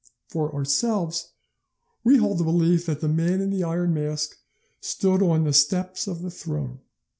For ourselves, we hold the belief that the Man in the Iron Mask stood on the steps of the throne.